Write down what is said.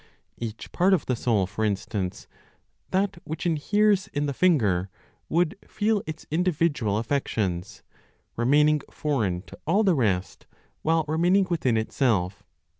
Each part of the soul, for instance, that which inheres in the finger, would feel its individual affections, remaining foreign to all the rest, while remaining within itself.